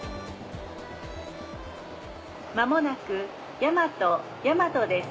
間もなく大和大和です。